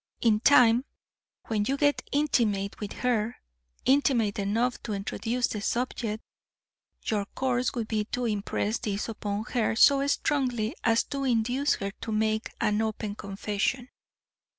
In time, when you get intimate with her, intimate enough to introduce the subject, your course would be to impress this upon her so strongly as to induce her to make an open confession.